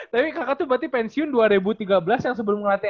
tapi kakak tuh berarti pensiun dua ribu tiga belas yang sebelum ngelatih sm tuh